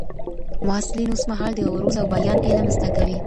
محصلین اوسمهال د عروض او بیان علم زده کوي.